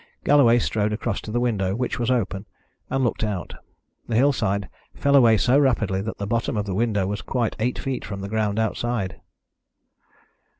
Galloway strode across to the window, which was open, and looked out. The hillside fell away so rapidly that the bottom of the window was quite eight feet from the ground outside.